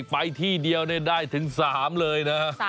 ไปที่เดียวได้ถึง๓เลยนะ